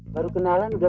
baru kenalan enggak